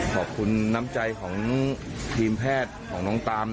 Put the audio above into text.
ขอบคุณน้ำใจของทีมแพทย์ของน้องตาม